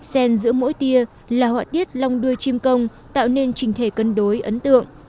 sen giữa mỗi tia là họa tiết long đuôi chim công tạo nên trình thể cân đối ấn tượng